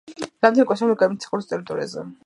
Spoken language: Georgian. რამდენიმე კონცერტი გამართა საქართველოს ტერიტორიაზე.